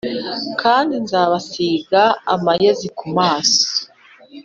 kandi nzabasīga amayezi ku maso